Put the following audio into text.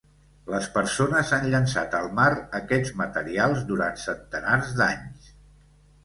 Les persones han llançat al mar aquests materials durant centenars d'anys.